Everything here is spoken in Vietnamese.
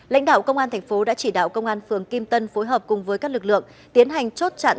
lãnh đạo công an thành phố đã chỉ đạo công an phường kim tân phối hợp cùng với các lực lượng tiến hành chốt chặn